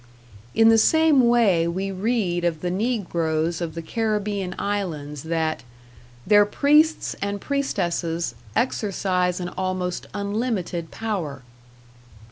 In the same way we read of the negroes of the Caribbean islands that "their priests and priestesses exercise an almost unlimited power."